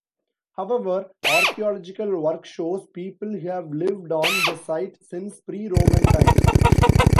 However, archaeological work shows people have lived on the site since pre-Roman times.